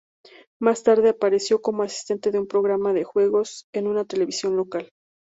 Más tarde, apareció como asistente de un programa de juegos en una televisión local.